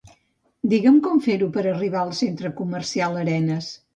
Digue'm com fer-ho per arribar al Centre Comercial Arenas.